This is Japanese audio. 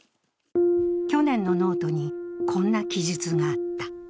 去年のノートに、こんな記述があった。